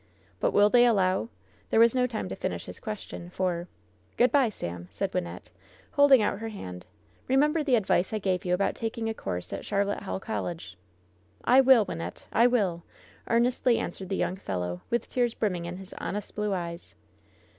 "But will they allow '' There was no time to finish his question, for — "Good by, Sam/' said Wynnette, holding out her hand. "Eemember the advice I gave you about taking a course at Charlotte Hall College." "I will, Wynnette, I will!" earnestly answered the yoimg fellow, with tears brimming in his honest blue eyes.